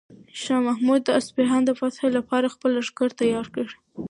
شاه محمود د اصفهان د فتح لپاره خپل لښکر تیار کړ.